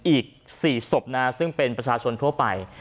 อีก๔ศพซึ่งเป็นประชาชนทั่วไป